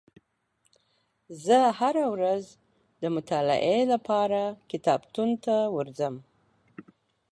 زه هره ورځ د مطالعې لپاره کتابتون ته ورځم.